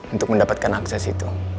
untuk mendapatkan akses itu